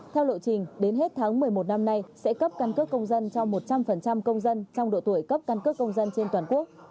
theo lộ trình đến hết tháng một mươi một năm nay sẽ cấp căn cước công dân cho một trăm linh công dân trong độ tuổi cấp căn cước công dân trên toàn quốc